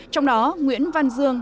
trong đó nguyễn văn dương